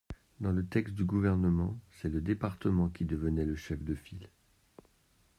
Dans le texte du Gouvernement, c’est le département qui devenait le chef de file.